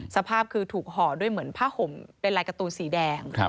สภาพคือถูกห่อด้วยเหมือนผ้าห่มเป็นลายการ์ตูนสีแดง